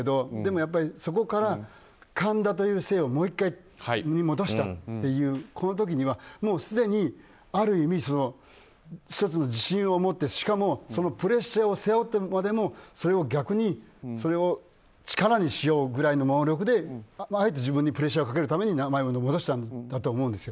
やっぱりそこから神田という姓をもう１回戻したというこの時にはもうすでにある意味１つの自信を持ってしかもプレッシャーを背負ってまでもそれを逆にそれを力にしようというくらいであえて自分にプレッシャーをかけるために名前を戻したと思うんですよ。